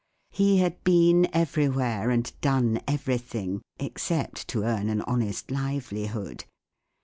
He had been everywhere, and done every¬ thing—except to earn an honest livelihood.